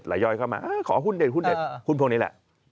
ย่อยเข้ามาขอหุ้นเด็ดหุ้นเด็ดหุ้นพวกนี้แหละ